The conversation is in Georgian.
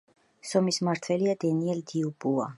სომის მმართველია დენიელ დიუბუა.